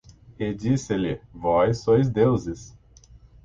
E disse-lhe: vós sois deuses